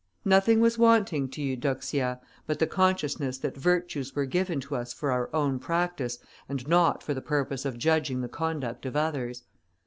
Nothing was wanting to Eudoxia, but the consciousness that virtues were given to us for our own practice, and not for the purpose of judging the conduct of others.